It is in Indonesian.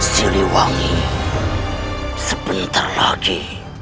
siliwangi sebentar lagi